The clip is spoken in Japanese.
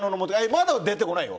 まだ出てこないよ。